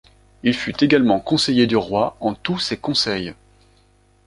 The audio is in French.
Il fut également conseiller du roi en tous ses conseils.